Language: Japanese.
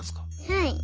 はい。